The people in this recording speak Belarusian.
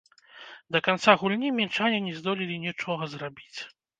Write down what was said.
Да канца гульні мінчане не здолелі нічога зрабіць.